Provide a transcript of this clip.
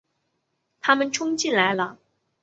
他们冲进来了